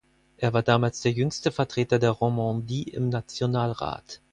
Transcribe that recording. Er war damals der jüngste Vertreter der Romandie im Nationalrat.